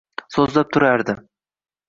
so‘zlab turardi.